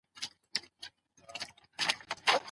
ښځینه او نارینه دواړه وړتیا لري.